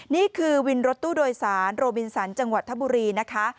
นี่คือวินรถตู้โดยสารโรบินสันจังหวัดธบุรีนะคะ